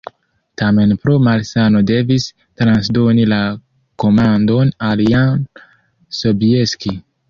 Tamen pro malsano devis transdoni la komandon al Jan Sobieski.